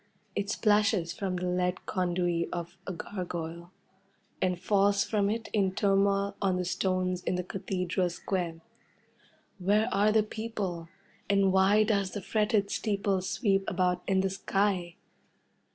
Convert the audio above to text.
It splashes from the lead conduit of a gargoyle, and falls from it in turmoil on the stones in the Cathedral square. Where are the people, and why does the fretted steeple sweep about in the sky?